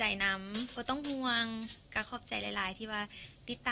อ่ะอย่างนั้นก็ได้ค่ะ